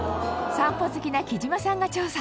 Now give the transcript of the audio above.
散歩好きな貴島さんが調査。